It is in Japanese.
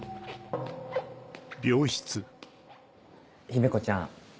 姫子ちゃん